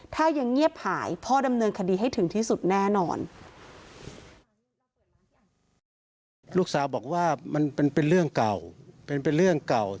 ถ้ายังเงียบหายพ่อดำเนินคดีให้ถึงที่สุดแน่นอน